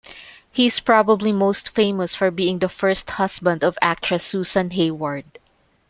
He is probably most famous for being the first husband of actress Susan Hayward.